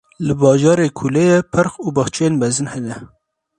Li bajarê ku lê ye, park û baxçeyên mezin hene.